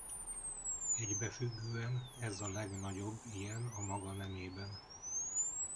Egybefüggően ez a legnagyobb ilyen a maga nemében.